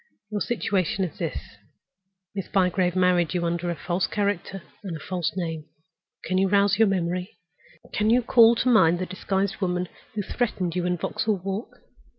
Your situation is this. Miss Bygrave has married you under a false character and a false name. Can you rouse your memory? Can you call to mind the disguised woman who threatened you in Vauxhall Walk?